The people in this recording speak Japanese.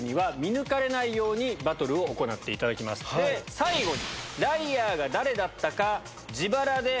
最後に。